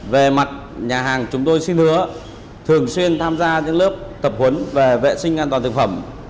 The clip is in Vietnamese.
về mặt nhà hàng chúng tôi xin hứa thường xuyên tham gia những lớp tập huấn về vệ sinh an toàn thực phẩm